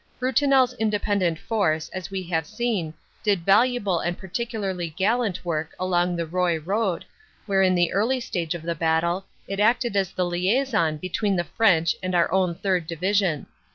Brutinel s Independent Force, as we have seen, did valuable and particularly gallant work along the Roye road, where in the early stage of the battle it acted as the liason between the French and our own Third Division.